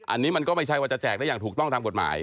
อันนี้มันก็ไม่ใช่ว่าจะแจกได้อย่างถูกต้องตามกฎหมาย